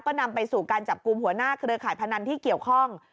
ก็นำไปสู่การจับกลุ่มหัวหน้าเครือข่ายพนันที่เกี่ยวข้อง